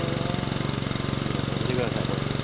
見て下さい見て下さい見て下さいこれ。